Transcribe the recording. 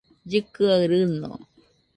llɨkɨaɨ rɨño